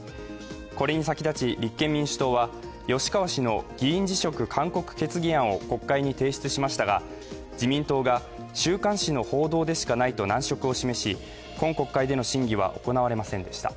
これに先立ち、立憲民主党は吉川氏の議員辞職勧告決議案を国会に提出しましたが自民党が週刊誌の報道でしかないと難色を示し今国会での審議は行われませんでした。